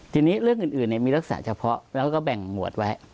ทีนี้เรื่องอื่นมีรักษาเฉพาะแล้วก็แบ่งหมวดไว้